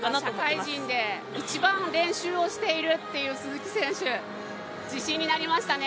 社会人で一番練習をしているという鈴木選手、自信になりましたね。